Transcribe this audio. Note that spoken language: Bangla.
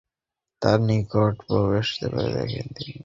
তার নিকট প্রবেশ করে দেখি, তিনি নীরব।